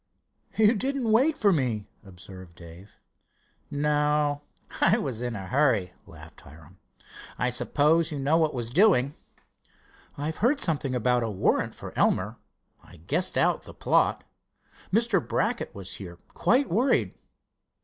"You didn't wait for me," observed Dave. "No, I was in a hurry," laughed Hiram. "I suppose you know what was doing?" "I've heard something about a warrant for Elmer. I've guessed out the plot. Mr. Brackett was here, quite worried."